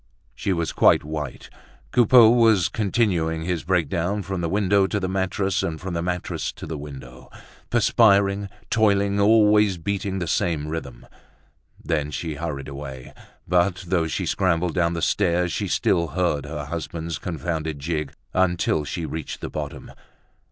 She was quite white. Coupeau was continuing his breakdown from the window to the mattress and from the mattress to the window, perspiring, toiling, always beating the same rhythm. Then she hurried away. But though she scrambled down the stairs, she still heard her husband's confounded jig until she reached the bottom.